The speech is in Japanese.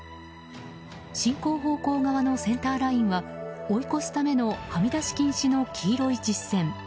進行方向側のセンターラインは追い越すためのはみ出し禁止の黄色い実線。